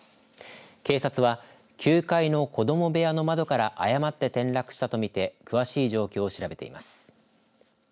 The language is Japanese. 警察は、９階の子ども部屋の窓から誤って転落したとみて詳しい状況を調べています。